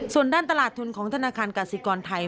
ส่วนด้านตลาดทุนของธนาคารกสิกรไทย